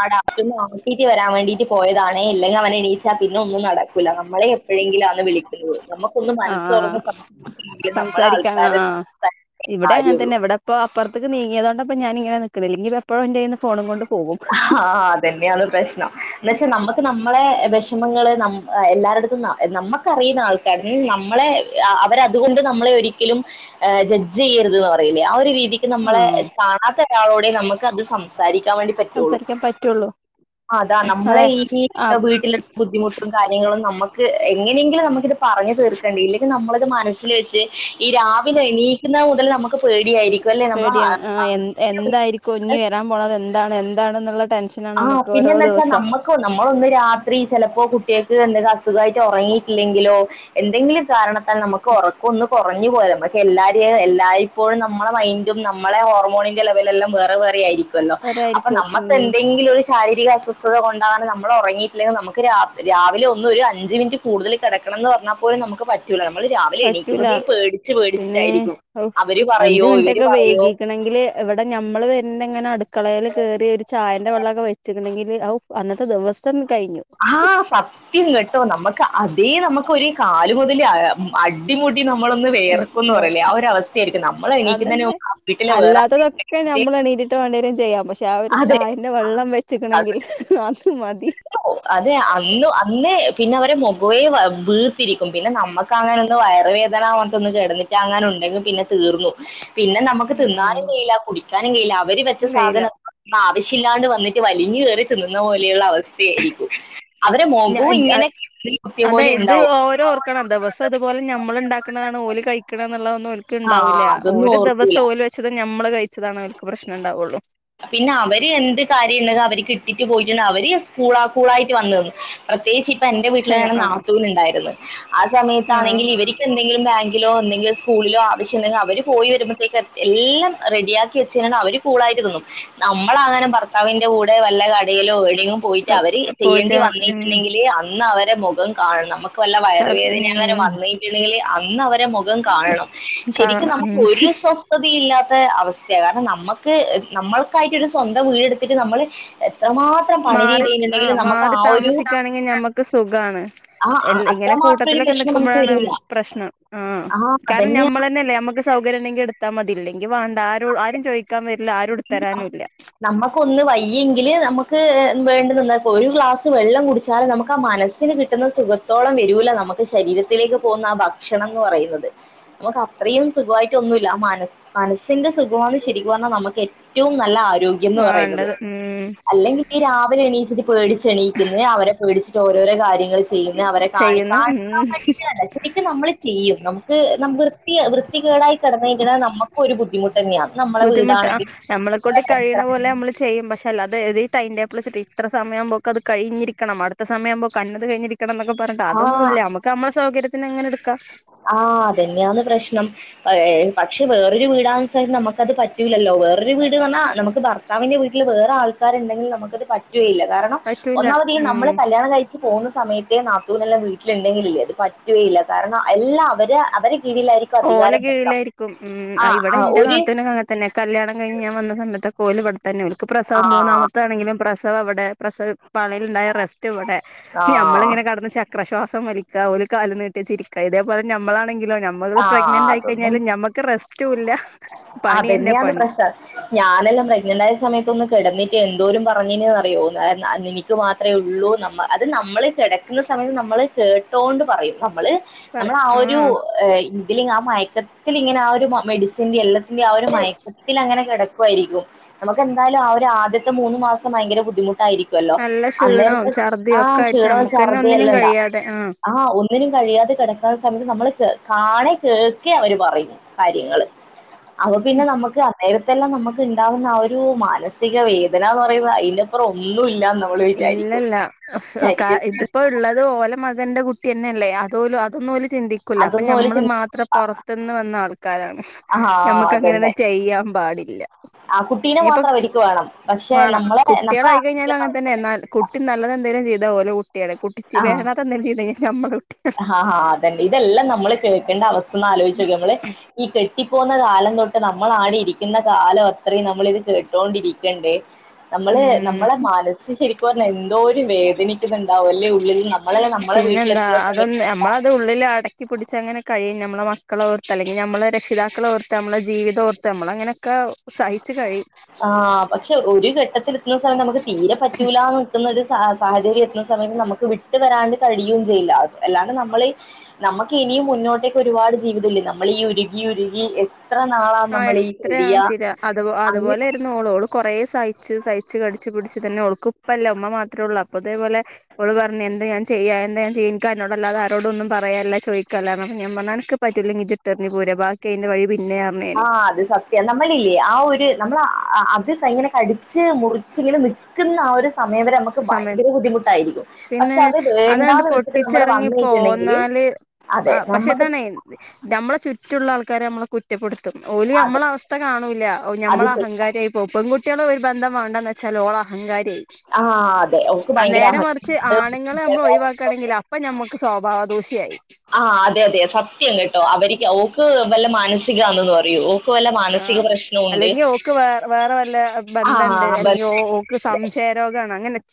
ആട [unintelligible] ആട്ടീട്ട് വരാൻ വേണ്ടീട്ട് പോയതാണേ ഇല്ലെങ്കിൽ അവനെണീച്ചാൽ പിന്നെ ഒന്നും നടക്കൂല്ല നമ്മളെ എപ്പോഴെങ്കിലാണ് വിളിക്കുന്നത് നമുക്കൊന്ന് മനസ് ആഹ് തുറന്നു ആഹ് സം [unintelligible] നമ്മുടെ സംസാരിക്കാൻ ആൾക്കര് ആഹ് താ ഇവിടെ അങ്ങനെന്നെ ഇവിടെപ്പോപ്പറത്തക്ക് നീങ്ങിയതൊണ്ടപ്പോ ഞാന ഇങ്ങനെ നക്കണില്ലെങ്കിപ്പപ്പോഴ എൻ്റെ കയ്യിന്നു ഫോണും കൊണ്ട് പോവും ഹാ അതന്നെയാ പ്രശ്നം എന്ന വച്ചാ നമ്മുക്ക് നമ് [unintelligible] വിഷമങ്ങള് നം എല്ലാരിടത്തും നമ്മുക്കറിയുന്ന ആൾക്കാര നമ്മളെ അവരെ അതുകൊണ്ട് നമ്മളെ ഒരിക്കലും ആഹ് ജഡ്ജ് ചെയ്യരുത് എന്ന് പറയില്ലേ [unintelligible] നമ്മളെ ആഹ് കാണാത്ത ഒരാളോട് നമ്മക്ക് അത് സംസാരിക്കാൻ വേണ്ടി സംസാരിക്കാൻ പറ്റ്ള്ളു ആഹ് അതാ നമ്മള ഈ [unintelligible] വീട്ടില് ബുദ്ധിമുട്ടും കാര്യങ്ങളും നമക് ക്ക് എങ്ങനെങ്കിലും നമുക്കിത് പറഞ്ഞു തീർക്കേണ്ടേ ഇല്ലെങ്കിൽ നമ്മളത് മനസ്സിൽ വെച്ച് ഈ രാവിലെ എണീക്ക് [unintelligible] മുതല് നമ്മക്ക് പേടിയാണ് ആഹ് എന്ത് എന്തായിരിക്കും ഇഞ്ഞി വരാൻ പോണത് എന്താണ് എന്താണെന്നുള്ള ടെൻഷനാണ് ആഹ് നമുക്ക് ഓരോ പിന്നെന്തച്ചാൽ ദിവസം നമ്മക്ക് നമ്മളൊന്ന് രാത്രി ചെലപ്പോ കു കുട്ടിയേക്ക് എന്തെങ്ക് അസുഖായിട്ട് ഒറങ്ങീട്ടില്ലെങ്കിലോ എന്തെങ്കിലും കാരണത്താൽ നമ്മ്ക്ക് ഒറക്കം ഒന്നു കൊറഞ്ഞ് പോയാ നമ്മക്ക് എല്ലാരേം എല്ലായ്‌പ്പോഴും നമ്മള മൈൻ്റും നമ്മളെ ഹോർമോണിന്റെ ലെവലെല്ലാം വേറെ വേറെ ആയിരി [unintelligible] അപ്പം അതായിരിക്കും നമ്മക്ക് എൻ ഉം [unintelligible] ശാരീരിക അസ്വസ്ഥത കൊണ്ടാണ് നമ്മള് ഒറങ്ങീട്ടില്ലങ്കി നമ്മക്ക് രാത് രാവിലെ ഒന്ന് ഒരു അഞ്ചുമിനിറ്റി കൂടുതല് കെടക്കണന്ന് പറഞ്ഞാ പോലും നമ്മ്ക്ക് പറ്റൂല്ല നമ് നമ്മള് രാവിലെ പറ്റൂല എണീക്കുന്നതേ പേടിച്ചു പിന്നെ പേടിച്ചിട്ടായിരിക്കും ഔ അവര് അഞ്ച് പറയോ ഇവര് മിനിറ്റൊക്കെ പറയോ വൈകിക്കണെങ്കില് ഇവിടെ ഞമ്മള് വര്ന്നെങ്ങാനും അടുക്കളേല് കേറി ഒരു ചായന്റെ വെള്ളോക്ക വെച്ച്ക്കണങ്കില് ഔ അന്നത് ആഹ് സത്യം കേട്ടോ നമ്മക്ക് അതേ നമ്മക്കൊര് കാല് മൊതല് അഴ അടിമുടി നമ്മളൊന്ന് ഉം വെയർക്കുന്ന് നോ പറയ്ല്ലേ ആ ഒരവസ്ഥേയിരിക്കും നമ്മള് എണീക്കുന്നേന് [unintelligible] മു [unintelligible] വീട്ടിലെ വേറ ഇതൊക്കെ ഞമ്മള് എണീറ്റിട്ട് വാണ്ട്യേരും ചെയ്യാം പക്ഷെ ആ ഒരു അതെ ചായൻ്റെ വള്ളം വെച്ച്ക്കണെങ്കിൽ അത് മാ അതെ അന്ന് അന്ന് അന്ന് പിന്നെ അവരെ മൊഖവെ വാ വീർത്തിരിക്കും പിന്നെ നമ്മക്ക് അങ്ങനൊന്ന് വയറ് വേദന വന്നൊ [unintelligible] ന്ന് കെടന്നിറ്റ് അങ്ങനെ ഉണ്ടെങ്കി പിന്നെ തീർന്നു പിന്നെ നമ്മക്ക് തിന്നാനും ഉം കഴില്ല കുടിക്ക്യാനും കഴില്ല അവര് വെച്ച വെയില സാധനം ആഹ് പൈശ ഇല്ലാണ്ട് വന്നിട്ട് വലിഞ്ഞ് കേറി തിന്നുന്ന പോലെ ഇള്ള അവസ് സ്ഥ ആയിരിക്കും അവര ഞാ മൊഖോം ഇങ്ങനെ നെൽ കുത്തിയ പോലെ ഇണ്ടാവും. [unintelligible] അത് ഞമ്മള് ഇണ്ടാക്ക് ണാണ് ഓല് കഴിക്ക്ണേന്ന്ള്ളതൊന്നും ഓല്ക്ക് ആ ഇണ്ടാവൂല അതൊന്നും ഓര് ഓർക്കൂല ദെവസം ഓല് വെച്ചത് ഞമ്മള് കഴി പിന്നെ അവര് എന്ത് കാര്യം ഇണ്ടങ്ക് അവര്ക്കി ഇറ്റ് പോയിട്ടുണ്ട് അവര് സ്കൂളാ കൂളായിട്ട് വന്ന് നിന്ന് പ്രത്യേയിച്ച് ഇപ്പ എന്റെ പക്ഷെ വീട്ടില്താണന്ന് ആ നാത്തൂൻ ഇണ്ടായിര്ന്ന് ആ ആ സമയത്താണെങ്കില് ഇവര്ക്ക് എന്തെങ്കിലും ബാങ്കിലോ എന്തെങ്കിലും സ്കൂളിലോ സ്‌കൂളിലോ ആവശ്യം ഇണ്ടങ്കി അവര് പോയി വരുമ്പത്തേക്ക് എത്ത് എല്ലം റെഡിയാക്കി വെ ചേര്ണ അവര് കൂളായിട്ട് തിന്നും നമ്മളങ്ങനെ ഭർത്താവിന്റെ കൂടെ വല്ല കടയിലോ എഴ് എങ്ങും പോയിറ്റ് അവര് പോയിട്ട് ചെയ്യേണ്ടി ഉം വന്നിട്ട്ണ്ടെങ്കില് അന്ന് അവരെ മൊഖം കാണണം നമ്മക്ക് ക്കൊല്ല വയറുവേദന അങ്ങനെ ഉം വന്നിട്ട്ണ്ടെങ്കില് അന്ന് അവരെ മൊഖം കാണണം ശെരിക്കും കാണണം നമ്മക്ക് ഉം ഒരു സ്വസ്ഥതയില്ലാത്ത് ത്ത അവസ്ഥയാ കാരണം നമ്മക്ക് നമ്മൾക്കായിട്ട് ഒരു സ്വന്തം വീടെടുത്തിറ്റ് നമ്മള് മാറി ആഹ് മാറി ഒരു താമസിക്കാണെങ്കി ഞമ്മക്ക് സുഖാണ് ആ എൽ അ- ഇങ്ങനെ അത്രമാത്രം ഒരു കൂട്ടത്ത്ലൊക്കെ വിഷമം നമുക്ക് നിക്കുമ്പഴാണ് വരൂല പ്രശ്നം ആഹ് ആ കാര്ണം അതന്നെ ഞമ്മളെന്നെല്ലേ ഞമ്മക്ക് ക്ക് സൗകര്യംണ്ടെങ്കി ഇടുത്താ മതി ഇല്ലെങ്കി വാണ്ട ആരോ ആരും ചോയിക്കാൻ വര് നമ്മക്കൊന്ന് വയ്യെങ്കില് നമ്മക്ക് ക്ക് വേണ്ടന്ന്ന്നാൽപ്പോലും ഒരു ഗ്ലാസ് വെള്ളം കുടിച്ചാല നമ്മക്ക് ആ മനസിന് കിട്ടുന്ന സുഖത്തോളം വരൂല്ല ന നമ്മക്ക് ശരീരത്തിലേക്ക് പോകുന്ന ആ ഭക്ഷണംന്ന് പറയുന്നത് നമക്ക് അത്രേയും സുഖ്വായിട്ട് ഒന്നു ഇല്ല ആ മന മനസ്സിന്റെ സുഖ്വാണ് ശെരിക്കു പറ്ഞ്ഞാ നമ്മക്കേ റ്റവും നല്ല ആരോഗ്യംന്ന് പറയുന്നത്. വേണ്ടത് ഉം അല്ലെങ്കി ഇന്നി രാവിലെ എണീച്ചിട്ട് പേടിച് ച്ച് എണീക്കുന്നേ അവരെ പേടിച്ചിട്ട് ഓരോരോ കാര്യ ങ്ങള് ചെയ്യുന്നേ അവരെ കാണി ചെയ്യുന്നു കാണിക്കാൻ ഉം വേണ്ടീറ്റ് തന്നെ എന്നിട്ടും നമ്മള് ചെയ്യും നമുക്ക് നമ് വൃത്തിയാ വൃ ഇത്തി കേടായി കെടന്നേക്കണ് നമ്മക്കും ഒരു ബുദ്ധിമുട്ട് തന്നയാ നമ്മള ബുദ്ധിമുട്ടാ വീടാണെങ്കിൽ നമ്മളെ കൊണ്ട് കഴിയണ പോലെ നമ്മള് ചെയ്യും പക്ഷെ അല്ലാതെ എഴ്തി റ്റൈമ് റ്റേബിള് വെച്ച്ട്ട് ഇത്ര സമയംമ്പോക്കത് കഴിഞ്ഞിരിക്കണം അട്ത്ത സമയാവുമ്പോ ക്കന്നത് കഴിഞ്ഞിരി കെടന്നക്ക പറഞ്ഞ്ട്ട്. അതൊന്നു ആ ഇല്ല നമ്മക്ക് നമ്മള സൗകര്യത്തിന് അങ്ങനെടുക്കാം പഴ ഏ പക്ഷേ വേറൊരു വീടാന്ന്ച്ചാ നമുക്കത് പറ്റൂിലല്ലോ വേറൊരു വ് വീട്ന്ന് പറഞ്ഞാ നമ്മക്ക് ഭർത്താവിന്റെ വീട്ടില് വേറെ ആൾക്കാരു ണ്ടെങ്കിൽ നമുക്കത് പറ്റുഏഇല്ല കാരണം പറ്റൂല ഒന്നാമത് ഈ ഉം നമ്മള് കല്യാണം കഴിച്ച് പോകുന്നത് സമയത്തെ നാത്തൂനെല്ലാം വീട്ടില് ഇണ്ടെങ്കിലില്ലേ അത് പറ്റുകേയില്ല കാരണം എല്ലാം അവര് അവര് ഓല കീഴിലായിരിക്കും ഉം അ ആഹ് ഇവടെ ആഹ് എന്റെ ഒരു നാത്തൂനങ്ങനതന്നെ കല്യാണം കഴിഞ്ഞ് ഞാൻ വന്ന സമയത്തൊക്ക ഒ ഇവിടെ തന്നെക്ക് പ്രസവം ആഹ് മൂന്നാമത്താണെങ്കിലും പ്രസവം അവിടെ പളയിൽുണ്ടായ റെസ്റ്റ് ഇവിടെ ആഹ് നമ്മളിങ്ങനെ കടന്ന ചക്രശ്വാസം വലിക്കുക ഒരു കല് നീട്ടി ചിരിക്ക ഇതേപോലെ നമ്മളാണെങ്കിലോമ്മ കള് ആഹ് പ്രഗ്നന്റ് അതൊന്നും ആയിക്കഴിഞ്ഞാലും ഞമ്മക്ക് റെസ്റ്റും ഇല്ല പണി എറെ അതന്നെയാണ് പണി പ്രശ്നം ഞാനെല്ലാം പ്രഗ്നന്റ് ആ സമയത്ത ഒന്ന് കിടന്ന എന്തോലും പറഞ്ഞന്ന്റിയോത് എനിക്ക് മാത്രമേ ഉള്ളൂ ന അത് നമ്മൾള് കിടക്കുന്ന സമയത്ത് നമ്മ നമ്മെ ചേട്ടോണ്ട് പറയും നമ്മള് പറ നമ്മൾ ആ ഒരു ആഹ് ഇതില ആ മയക്കത്തി ഇങ്ങനെ ആ റെ എല്ലാത്തി്റെ ആ ഒരു മയക്കത്തിൽ അങ്ങനെ കിടക്കുായിരിക്കും നമുക്ക്െന്തായാലും ആ ഒരു ആദ്യത്തെ മൂന്നു മാസം ഭയങ്കര ബുദ്ധിമുട്ട് ായിരിക്കുമല്ലോ നല്ല ക്ഷീണവും അന്നേരത്തെ ഛർദിയും ആ ഒക്കെ ആയിട്ട് ക്ഷീണം വ നമ്മുക്കന്നെ ചർദ ഒന്നിനും എല്ലാംണ്ടാ കഴിയാതെ ആഹ് ഒന്നിനും കഴിയാതെ കിടക്കാുന്ന സമയത്ത് നമ്മള് കാണേ കേൾക്കെ അവര് പറയു കാര്യങ്ങള് അപ്പ പിന്നെ നമുക്ക് നേരത്തെല്ലാം നമുക്ക് ഉണ്ടാാവുന്ന ആ ഒരു മാനസിക വേദന എന്ന് പറയുന്നത് അതിന്റെപ്പുറം ഒന്നും ഇല്ലല്ല ശരീരത്തിന് ഇതിപ്പോ ഉള്ളത് ഓലെ മ ന്റെറെ കുട്ടി തന്നെ അല്ലേ അതോലും അതൊന്നും പോലും ചിന്തിക്കൂ അപ്പ അതൊന്നും ഓല് നമ്മള് ചിന്തി മാത്രം പുറത്തു നിന്ന് വന്ന ആൾക്ക് കാരാണ് ആഹാ നമ്മക്ക് അങ്ങനെന്ന അതന്നെ. ചെയ്യാൻ പാടില്ല ആ കുട്ടീനെ ഇനിയിപ്പ മാത്രം അവര്ക്ക് വേണം. പക്ഷെ വേണം നമ്മളെ നമ്മളെ കുട്ടികളായി കഴിഞ്ഞാൽ അങ്ങനെ തന്നെ കുട്ടി നല്ലത് എന്തങ്കിലും ചെയ്തത്ഓലോ കുട്ടിയാണ് കുി വേണ അ എന്തെലും ചെയ്ത കഴിാൽ ആഹ ഹാ അതണ്ട് ഇതെല്ലാം നമ്മള് കേൾക്കേണ്ട അവസ്ഥന്ന് ആലോചിച്ച നക്ക നമ്മള് ഈ കെട്ടി പോകുന്ന കാലം തൊട്ട് നമ്മള ആടി ഇരിക്കുന്ന കാലം അത്രയും നമ്മൾിത് കേട്ടോണ്ടിരിക്കണ്ടേ നമ്മള് ഉം നമ്മളെ മനസ്സ് ശരിക്കും പറഞ്ഞ എന്തോ ഒരു വേദന ണ്ടാവും അല്ലേ ഉള്ളിൽ നമ്മളെല്ല നമ്മുടെ വീട്ടിലെ പിന്നെന്താ അതൊന്ന് നമ്മളത് ഉള്ളിൽ അടക്കി പിടിച്ച് അങ്ങനെ കഴിയും നമ്മെ മ മള ഓർ അല്ലെങ്കിൽ നമ്മള രിതാക്കളോഓർത്ത് നമ്മുടെ ജീവിം തോർത്ത് നമ്മൾ അങ്ങനെയൊക്കെ സഹിച്ചു കഴി ത്തില എത്തുന്ന സമയം നമുക്ക് തീരെ പറ്റൂല നിൽക്കുന്നത് സാഹചര്യം എത്തുന്ന സമയത്ത് നമുക്ക് വിട്ട വരാണ്ട് കഴിയുകയും ചെയ്ല്ല അത് അല്ലാണ്ട് നമ്മൾ നമുക്ക് മുന്നോട്ടേക്ക ഒരുപാട് ജീവിതമല്ലേ നമ്മൾ ഈ ഉുകി ഉുകി എത്രാ ആഹ എത്രയാ തതിരാ അത് അങ്ങ അതുപോലൊയിരുന്നു ഓളോളും കുറേ സഹിച്ച് സഹിച്ച് കടിച്ചച്ച് പിടിച്ച് തന്നെ അവൾക്ക് ഇപ്പല്ലേ ഉമ്മ മാത്രേ ഉള്ളൂ അപ്പൊ അതേപോലെ അവള് പറഞ്ഞ എന്റെ ഞാൻ്യുക എന്താഞാ എിക്ക അോട അാതെ ആരോടൊന്നും പറമല്ല ചദിക്കുകില്ല എന്ന ഞാ പറഞ്ഞാൽ പറ്റൂല്ലങ്ക ഇിട്ട എറി പോരാ ബി അതിന്റെ വഴി പിന്നെ ആ അത് സത്യം നമ്മളില്ലേ ആ ഒരു നമ്മ അത് ഇങ്ങനെ കടിിച്ചച്ച് മുറിച്ച് ഇങ്ങനെ നൽക്കുന്ന ആ ഒരു സമയം വരെ നമുക്ക് സമയം ഭയങ്കര ബുദ്ധിമുട്ടായിരിക്കും പിന്നെ പക്ഷെ അത് അതങ്ങട്ട് വേണ്ടാന്ന് വെച്ചിട്ട് നമ്മള് പൊട്ടിച്ചെറങ്ങി വന്നിട്ടുണ്ടെങ്കിൽ പോന്നാല് പക്ഷെ ഇതാണ് നമ്മളെ ചുറ്റുള്ള ആൾക്കാര നമ്മ കുറ്റപ്പെടുത്തും ഓലി അതെ നമ്മള അവസ്ഥ കാണൂില്ല അത് മ്മള ശരി അഹങ്കാരിയിപ്പോ പെൺകുട്ടികള ഒരു എന്ത വേണ്ടന്ന് വെച്ചാൽ ഓള അഹങ്കാരിായി ആ അതെ ഓക്ക് ആ ഭയങ്കര നേരെ മറിച്ച് ആണുങ്ങളെ നമ്മൾ അഹ ഒഴിവാക്കുകയാണെങ്കിൽ അപ്പൊ ഞമ്മക്ക് സ്വഭാവദോഷിയായി ആഹ് അതെ അതെ സത്യം കേട്ടോ അവർക്ക് അവക്ക് വല്ല മാനസികാന്നൊന്ന് പറയോ ആഹ അല്ലെങ്കിൽ ഓക്ക് വേ വേറെ വല്ല ആ ബന്ധണ്ട് അല്ലെങ്കിൽ ബന്ധ ഓക്ക് സംശയ രോഗണ്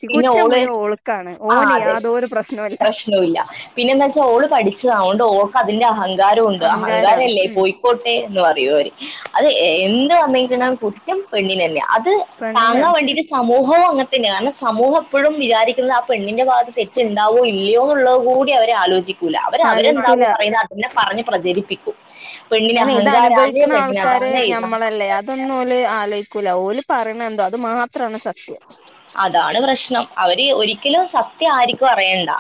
പിന്നെ കുറ്റമ് മുയുവൻഒള്ക്കാണ് ഓന് യാതോ ഒരു പ്രശ്നം പ്രശ്നുല്ല പിന്നെന്താ വെച്ചാൽ ഓള് പഠിച്ചതാ അതൊണ്ട് ഓൾക്ക് അതിന്റെ അഹ ങ്കാരമുണ്ട് അഹങ്കാരാണ് അഹങ്കാരല്ലേ ഉം പോയിക്കോട്ടെ ന്ന് പറയും ഓല്അത് എന്ത് വന്നിക് ണേ കുറ്റം പെണ്ണിന് തന്നെ ട്ട് താങ്ങാൻ പെണ്ണിനാണ് വേണ്ടിട്ട് സമൂഹവും അങ്ങൻ ത്ത് ന് അന്നെ സമൂഹം എപ്പഴും വിചാരിക്കുന്നത് ആ പെണ്ണിന്റെ ഭാഗത്ത് തെറ്റ്ണ്ട് ഉണ്ടാവോ ഇല്ലയോള്ള കൂടി അവര് ആലോചിക്കൂല്ല അവര്അവരന്താ ആലോയിക്കൂല ണ് പറയുന്നേ അതനെ പറഞ്ഞ് പ്രചരിപ്പിക്കും പെണ്ണിന് അയ്നെ ഇത് അഹങ്കാരാണ് അനുഭവിക്കുന്ന പെണ്ണിന് ആൾക്കാര് അതാണ് ഞമ്മളല്ലേ ഇതാണ് അതൊന്നുംഓല് ആലോചിക്കൂല ഓല് പറിണ എന്തോ അത് മാ അതാണ് പ്രശ്നം അവര് ഒരിക്കലും സത്യം ആരിക്കും അറിയണ്ട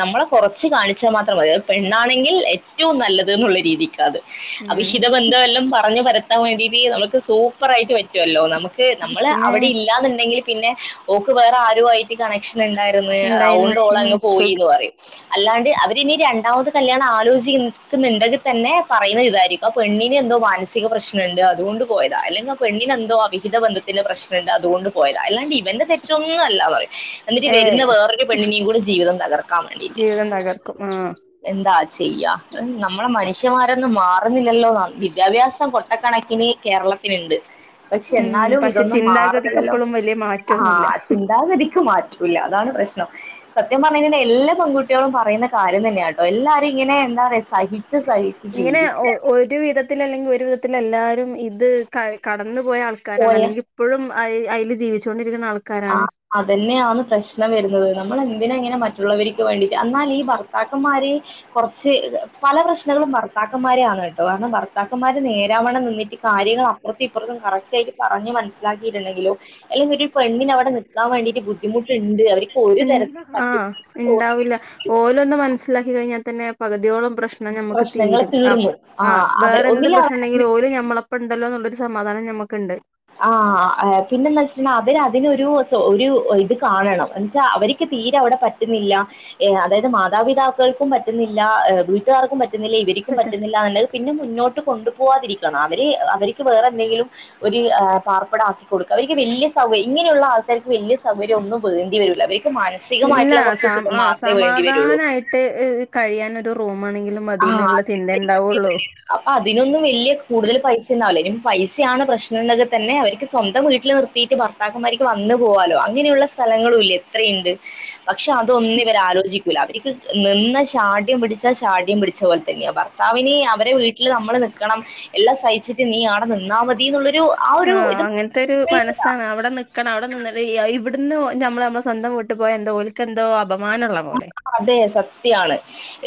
നമ്മളെ കുറച്ച് കാണിച്ചാൽ മാത്രം മതി പെ ണ്ണാണെങ്കിൽ ഏറ്റവും നല്ലത് ന്നുള്ള രീതിക്കാ അത് ഉം അവിഹിത ബന്ധ എല്ലാം പറഞ്ഞഞ് പരത്താൻ വേണ്ടി ട്ട് നമുക്ക് സൂപ്പർ ആയിട്ട് പറ്റും പറ്റല്ലോ നമുക്ക് നമ്മള് പിന്നെ അവിടെ ണ്ടെങ്കിൽ പിന്നെ ഓക്ക് വേറെ ആരു ആയിട്ട് കണക്ഷൻ ന്ന്ണ്ടായിരുന്ന് ഇണ്ടായിരുന്നു അതോണ്ട് ഉം ഓള്അങ്ങ് സുഖ പോയിന്ന് പറയും അല്ലാണ്ട് അവരിനി രണ്ടാമത് കല്യാണം ആലോചിക്കുന്നുണ്ടെങ്കിൽ തന്നെ പറയുന്ന ഇതായിരിക്കും അപ്പ പെണ്ണിന് എന്തോ മാനസിക പ്രശ്നമുണ്ട് അതുകൊണ്ട് തോണ്ട് പോയതാ അല്ലങ്കി ആ പെണ്ണിനെന്തോ അവിഹിത ബന്ധത്തിന്റെ പ്രശ്നം ണ്ട് അതുകൊണ്ട് പോയത് അല്ലാണ്ട് ഇവന്റെ തെറ്റൊന്നുംല്ല പറ എന്നിട്ട് വരുന്ന ഏയ് വേറൊ പെണ്ണിനും കൂടെ ജീവിതം തകർക്കാൻ വേണ്ടിയിട്ട് ജീവിതം തകർക്കും ആ എന്താ ചെയ്യ നമ്മള മനുഷ്യമാരൊന്നും മാറുന്നില്ലല്ലോ വിദ്യാഭ്യാസം കൊട്ട കണക്കിന് കേരളത്തില്ണ്ട് പക്ഷെ ഉം ന്നാലും പക്ഷെ ഇതൊന്നും ചിന്താഗതിക്ക് മാറുന്നില്ലല്ലോ ഇപ്പോഴും വലിയ ആഹാ മാറ്റൊന്നുല്ല ചിന്താഗതിക്ക് മാ റ്റൂല്ലഅതാണ് പ്രശ്നം സത്യം പറഞ്ഞെ എല്ലാ പൺകുട്ടികളും പറയുന്ന കാര്യം തന്നെയാട്ടോ എല്ലാരും ഇങ്ങനെ എന്താ സഹിച്ച് സഹിച്ച് ഇങ്ങനെ ജീവിക്കുക ഒരു വിധത്തി അല്ലെങ്കിൽ ഒരു വിധത്തി എല്ലാരും ഇത് കയ് കടന്നു പോയ ആൾക്കാരാണ് പോയ അല്ലെങ്കിൽ ഇപ്പോഴും അയിൽ ജീവിച്ചോണ്ട് ആ അതന്നെയാണ് പ്രശ്നം വരുന്നത് നമ്മൾ എ ന്തിനാ ങ്ങനെ മറ്റുള്ളവർക്ക് വേണ്ടിട്ട് എന്നാൽ ഈ ഭർത്താക്കന്മാര് കുറച്ച് പല പ്രശ്നങ്ങളും ഭർത്താക്കന്മാരെയാണ് കേട്ടോ കാരണം ഭർത്താക്കന്മാര് നേരാവണ നിന്നിട്ട് കാര്യങ്ങൾ അപ്പറത്തും ഇപ്പുറത്തും കറക് ആയിട്ട് പറഞ്ഞഞ് മനസിലാകി ണ്ടങ്കിലും അല്ലക്കി ഒരു പെണ്ണന് അവിടെ നിക്കാൻ വേണ്ടിട്ട് ബുദ്ധിമുട്ടണ്ട് അവര്ക്ക് ഉ ആ ഉണ്ടാവില്ല ഓലുംന്ന് മനസ്സിലാക്കി കഴിഞ്ഞാൽ തന്നെ പകുതിയോളം പ്രശ്നം നമുക്ക് പ്രശ്നങ്ങൾ തീരും തീർന്നു ആ അവർ വേറെന്ത് ഒന്നില്ല പ്രശ്നം ഉണ്ടെങ്കിലും ഒരുഓര് ഞമ്മളപ്പ ഉണ്ടല്ലോ സമാധാനം നമുക്കുണ്ട് ആ പിന്നെന്ന് വെച്ചിട്ടു അവര്തിനൊരു ഇത് കാണണം എന്നച്ചാ അവർ ക്ക്തീരെവിടെ പറ്റുന്നില്ല അതായത് മാതാപിതാക്കൾക്കും പറ്റുന്നില്ല വീട്ടുകാർക്കും പ ത് പോലെ ഇവർരിക്കും പറ്റ പറ്റുന്നില്ല എന്നുള്ളത് പിന്നെ മുന്നോട്ട് കൊണ്ടുപോകാതിരിക്കണം അവര് അവർക്ക് വേറെ എന്തെങ്കിലും ഒരു പാർപ്പിട ആക്കി കൊടുക്കുക അവർക്ക് വലിയ സൗകയ് ഇങ്ങനെയുള്ള ആൾ ക്കാർക്ക് വലിയ സൗകര്യം ഒന്നും വേണ്ടി വരൂല്ല അവർക്ക് ഇല്ല മാനസികമായിട്ടുള്ള കുറച്ച് സുഖം മാത്രമേ വേണ്ടി വരുള്ളൂ കഴിയാന ആ ഉണ്ടാവുള്ളൂ അപ്പൊ അതിനൊന്നും വലിയ കൂടുതൽ പൈസന്നാവല പൈസയാണ് പ്രശ്നം എന്നൊക്കെ തന്നെ അവർക്ക് സ്വന്തം വീട്ടിൽ നിർത്തിയിട്ട് ഭർത്താക്കന്മാർക്ക് വന്ന പോകാലോ അങ്ങനെയുള്ള സ്ഥ സ്ഥലങ്ങളുല്ലേ എത്രയുണ്ട് പക്ഷെ അതൊന്നും ഇവർ ആലോചിക്കൂല്ല അവർക്ക് നിന്ന ഷാട്യം പിടിച്ചാൽ ഷാട്യം പിടിച്ച പോലെ തന്നെയാ ഭാവി നി അവരെ വീട്ടിൽ നമ്മള് നൽക്കണം എല്ലാം സഹിച്ചിട്ട് നീ ആടെ നിന്നാ മതി എന്നുള്ള ആ അങ്ങനത്തെ ഒരു മനസ്സാണ് അവിടെ നിക്കണം അവിടെ നിന്ന് വയ്യ ഇവിടുന്ന് നമ്മ നമ്മെ സ്വന്തം വിട്ട് പോയ എന്തഓലക്ക എന്തോ ള്ള പോലെ അതെ സത്യാണ്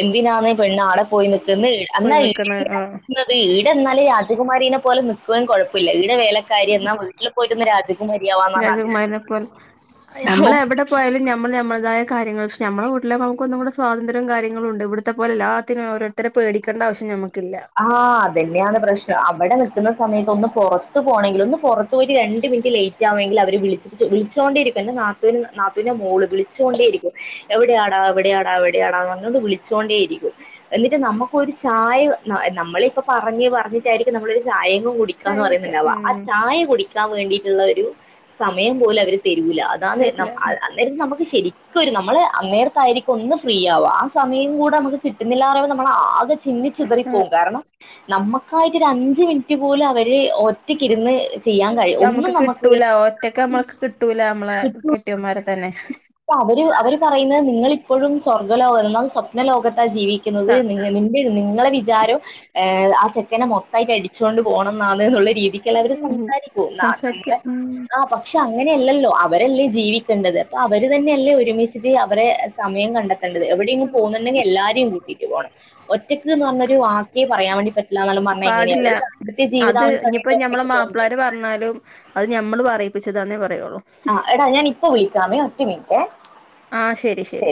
എന്തിനാണ് പെണ്ണ് ആടെ പോയി നിക്കന്ന് പോയി എന്നാൽ നിക്കണ് ആഹ് ഈടെ എന്നാല് രാജകുമാരീനെ പോലെ നി പും കുഴപ്പമില്ല ഇവിടെ വേലക്കാരി എന്നാ വീട്ടിൽ പോയിരുന്ന രാജ രാജകുമാരിനെ പോലെ നമ്മളെവിടെ പോയാലും ഞമ്മൾ ഞമ്മള്തായ കാര്യങ്ങൾ പക്ഷെ മ്മെ വീട്ടില് നമുക്ക് ഒന്നുംകൂടെ സ്വാതന്ത്ര്യവും കാര്യങ്ങളും ഉണ്ട് ഇവിടുത്തെപ്പോല എല്ലാത്തിനും ഓരോരുത്തരെ പേടിക്കേണ്ട ആവശ്യം നമുക്ക് ആഹ് അതന്നെയാണ് പ്രശ്നം അവിടെ നി കുന്ന സമയത്ത് ഒന്ന് പൊറത്ത് പോകണമെങ്കിൽ ഒന്ന് പുറത്ത് പോ ഒരു രണ്ട് മിനിറ്റ് ലേറ്റ് ആവുമെങ്കിൽ അവർ വിളിച്ചിട്ട് വിളിച്ചുകൊണ്ടിരിക്കും. ന്റെ നാത്തൂൻ നാത്തൂനന്റെ മോള് വിളിച്ചു കൊണ്ടിയിരിക്കും എവിടെയാടാ എവിടെയാടാ എവിടെയാടാ അന്നോണ്ട് വിളിച്ചോണ്ടേയിരിക്കും എന്നിട്ട് നമ്മുക്കൊരു ചായ നമ്മള് ഇപ്പ പറഞ്ഞ് പറഞ്ഞിട്ടായിരിക്കും നമ്മളൊരു ചായയും ചായ കുടിക്കാന്ന് കുടിക്ക പറയുന്നില്ല ആ ഉം ചായ കുടിക്കാൻ വേണ്ടിട്ടുള്ള ഒരു സമയം പോലെ അവര് തരൂല്ല അതാണ് തരില്ല അന്നേരം നമുക്ക് ശരി ക്ക് വരും. നമ്മള് അന്നേരത്തായിരിക്കും ഒന്ന് ഫ്രീ ആവ ആ സമയം കൂടെ നമുക്ക് കിട്ടുന്നില്ലാ റിമ്പം നമ്മൾ ആകെ ചിന്നിച്ചിതറിപ്പോവും കാരണം നമ്മക്കായിട്ട് ഒരു അഞ്ച് മിനിറ്റ് പോലും അവര് ഒറ്റക്കിരുന്ന് ചെയ്യാൻ കഴിയും ഒന്നും നമ്മുക്ക് നമുക്ക് കിട്ടൂല ഒറ്റക്ക് നമ്മക്ക് കിട്ടൂല നമ്മളെ കിട്ടില്ല കെട്ടിയന്മാരെ ത [unintelligible] [unintelligible] അവര് അവര് പറയുന്നത് നിങ്ങള് പ്പഴും സ്വർഗലോക എന്നാൽ സ്വപ്ന ലോകത്താ ജീവിക്കുന്നത് [unintelligible] നിങ്ങളെ ആരോ ആ ചെക്കനെ മൊത്തായിട്ട് അടിച്ചോണ്ടു പേണം നാളെ എന്നുള്ള രീതിക്കല്ലോ അവര് സംസാരിക്കൂ നമ്മൾ സംസാരിക്ക ഉം ആ പക്ഷെ അങ്ങനെയല്ലല്ലോ അവരെല്ലേ ജീവിക്കേണ്ടത് അപ്പൊ അവര് തന്നെയല്ലേ ഒരുമിച്ചിട്ട് അവരെ സമയം കണ്ടെത്തോണ്ടത് കണ്ടത് എവിടെ പോകുന്നുണ്ടെങ്കിൽ എല്ലാരെയും കുട്ടിട്ട് പോകണം ഒറ്റക്ക് എന്ന് പറഞ്ഞ ഒരു വാക്കെ പറയാൻ വേണ്ടി പറ്റു പാടില്ല അത് ഇനിയിപ്പോ സമയത്ത് ഞമ്മളെ ഒറ്റക്ക് പോണ്ടേ മാപ്പിളാര് പറഞ്ഞാലും അത് ഞമ്മള് പറയും പറയിപ്പിച്ച് തന്നെ പറയുള്ളൂ ആ എടാ ഞാാനിപ്പോ വിളിക്കമേ ഒറ്റ മിനിറ്റ് ആ ശരി ശരി